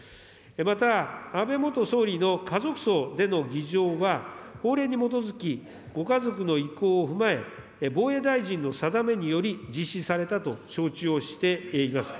また、安倍元総理の家族葬での儀仗は、法令に基づき、ご家族の意向を踏まえ、防衛大臣の定めにより実施されたと承知をしています。